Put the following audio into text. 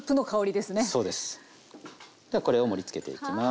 ではこれを盛りつけていきます。